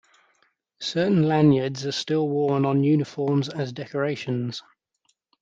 Certain lanyards are still worn on uniforms as decorations.